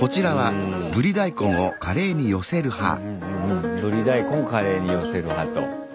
うんうんブリ大根をカレーに寄せる派と。